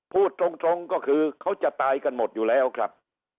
พูดตรงก็คือเขาจะตายกันหมดอยู่แล้วครับ